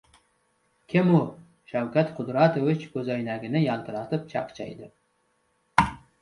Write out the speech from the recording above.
Kim u? - Shavkat Qudratovich ko‘zoynagini yaltiratib chaqchaydi.